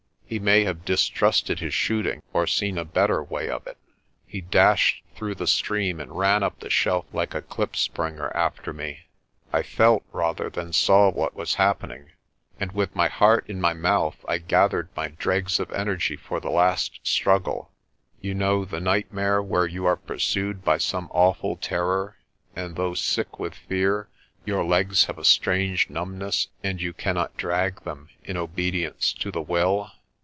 He may have distrusted his shooting or seen a better way of it. He dashed through the stream and ran up the shelf like a klipspringer after me. I felt rather than saw what was happening, and with my heart in my mouth I gathered my dregs of energy for the last struggle. You know the nightmare when you are pursued by some awful terror and, though sick with fear, your legs have a strange numbness, and you cannot drag them in obedience to the will.